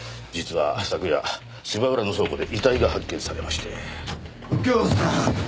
実は昨夜芝浦の倉庫で遺体が発見されまして。